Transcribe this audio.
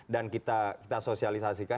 dan kita sosialisasikan